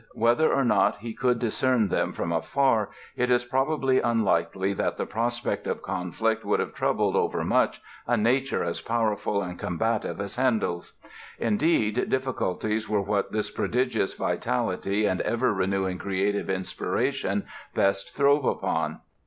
Whether or not he could discern them from afar it is probably unlikely that the prospect of conflict would have troubled over much a nature as powerful and combative as Handel's. Indeed, difficulties were what this prodigious vitality and ever renewing creative inspiration best throve upon.